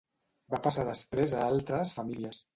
Va passar després a altres famílies.